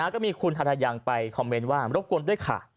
ก็มีคุณธยังไปคอมเมนต์ว่ารบกวนด้วยค่ะ